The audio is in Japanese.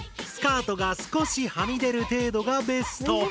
スカートが少しはみ出る程度がベスト。